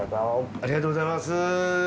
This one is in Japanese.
ありがとうございます。